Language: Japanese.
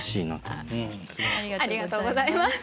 ありがとうございます。